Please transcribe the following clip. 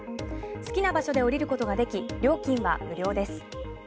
好きな場所で降りることができ料金は無料です。